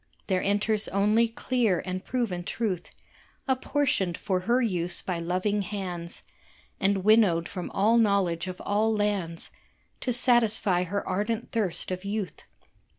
There enters only clear and proven truth Apportioned for her use by loving hands And winnowed from all knowledge of all lands To satisfy her ardent thirst of youth.